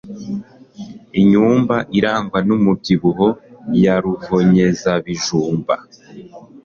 Inyumba irangwa numubyibuho ya ruvonyezabijumba